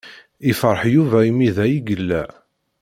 Yefṛeḥ Yuba imi da i yella.